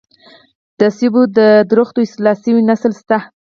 د مڼو د ونو اصلاح شوی نسل شته